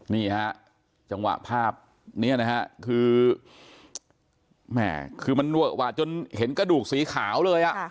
นี่ฮะจังหวะภาพนี้นะฮะคือแหม่คือมันเวอะวะจนเห็นกระดูกสีขาวเลยอ่ะ